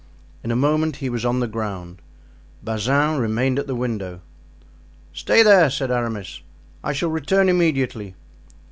In a moment he was on the ground. Bazin remained at the window. "Stay there," said Aramis; "I shall return immediately."